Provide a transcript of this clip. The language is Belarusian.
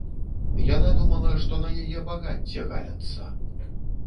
Яна думала, што на яе багацце галяцца!